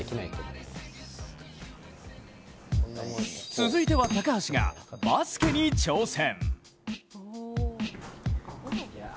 続いては高橋がバスケに挑戦。